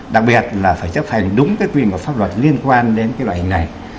đặc biệt là phải chấp hành đúng quyền và pháp luật liên quan đến loại hình này